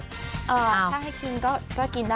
ถ้าให้กินก็กินได้